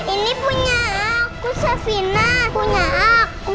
ini punya aku sofina punya aku